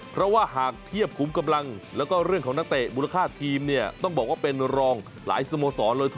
เพราะว่าหากเทียบคุ้มกำลังแล้วก็เรื่องของนักเตะมูลค่าทีมเนี่ยต้องบอกว่าเป็นรองหลายสโมสรเลย